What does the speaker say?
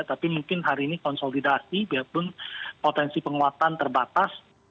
tapi mungkin hari ini konsolidasi biarpun potensi penguatan terbatas